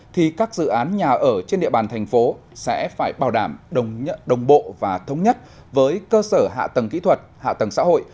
thì các dự án nhà ở trên địa bàn thành phố sẽ phải bảo đảm đồng bộ và thống nhất với cơ sở hạ tầng kỹ thuật hạ tầng xã hội